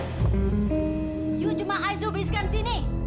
kamu cuma suruh suruh disini